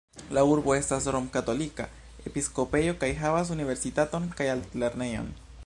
La urbo estas rom-katolika episkopejo kaj havas universitaton kaj altlernejon.